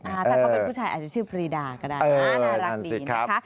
ถ้าเขาเป็นผู้ชายอาจจะชื่อปรีดาก็ได้นะน่ารักดีนะคะ